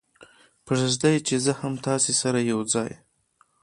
پرېږدئ چې زه هم تاسې سره یو ځای.